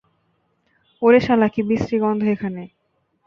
ওরে শালা, কী বিশ্রি গন্ধ এখানে!